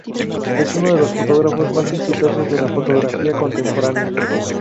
Es uno de los fotógrafos más exitosos de la fotografía contemporánea.